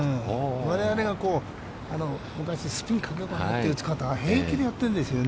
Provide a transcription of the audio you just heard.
我々が昔、スピンかけようかなという打ち方を平気でやってるんですよね。